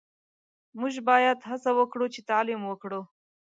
موژ باید هڅه وکړو چی تعلیم وکړو